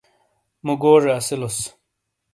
مُو گوجے اسیلوس۔